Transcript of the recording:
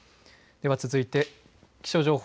では続いて気象情報。